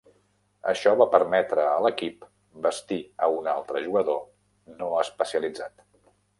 Això va permetre a l"equip vestir a un altre jugador no especialitzat.